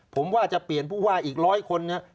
ผมว่าจะเปลี่ยนผู้ว่าอีกร้อยคนเนี่ย